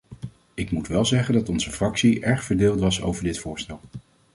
Ik moet wel zeggen dat onze fractie erg verdeeld was over dit voorstel.